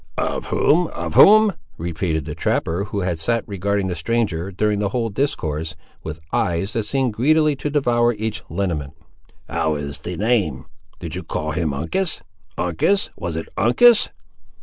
"Of whom? of whom?" repeated the trapper, who had sat regarding the stranger, during the whole discourse, with eyes that seemed greedily to devour each lineament. "How is the name? did you call him Uncas?—Uncas! Was it Uncas?"